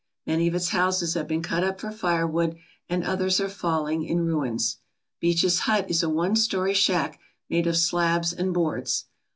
Many of its houses have been cut up for firewood and others are falling in ruins. Beach's hut is a one story shack made of slabs and boards.